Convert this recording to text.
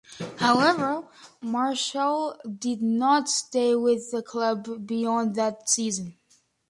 However, Marshall did not stay with the club beyond that season.